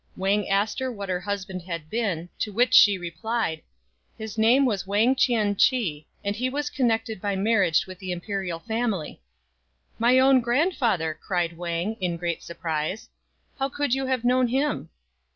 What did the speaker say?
Wang asked what her husband had been ; to which she replied, " his name was Wang Chien chih, and he was connected by marriage with the Imperial family." "My own grandfather!" cried Wang, in great surprise ;" how could you have known him?"